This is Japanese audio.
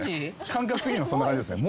感覚的にもそんな感じですね